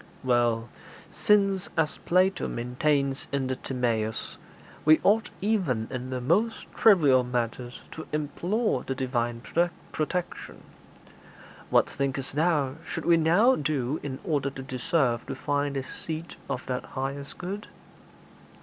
'Well, since, as Plato maintains in the "Timæus," we ought even in the most trivial matters to implore the Divine protection, what thinkest thou should we now do in order to deserve to find the seat of that highest good?'